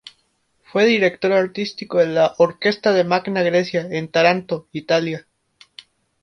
Fue director artístico de la "Orquesta della Magna Grecia", en Taranto, Italia.